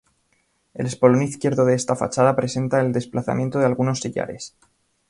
El espolón izquierdo de esta fachada presenta el desplazamiento de algunos sillares.